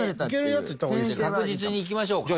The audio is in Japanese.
確実にいきましょうか。